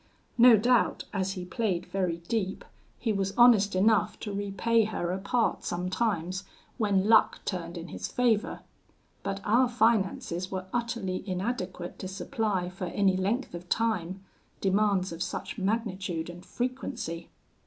No doubt, as he played very deep, he was honest enough to repay her a part sometimes, when luck turned in his favour; but our finances were utterly inadequate to supply, for any length of time, demands of such magnitude and frequency.